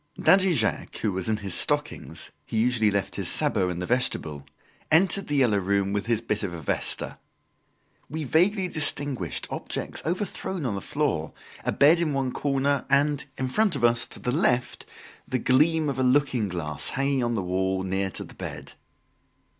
Daddy Jacques who was in his stockings he usually left his sabots in the vestibule entered "The Yellow Room" with his bit of a vesta. We vaguely distinguished objects overthrown on the floor, a bed in one corner, and, in front of us, to the left, the gleam of a looking glass hanging on the wall, near to the bed.